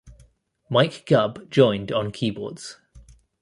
Mike Gubb joined on keyboards.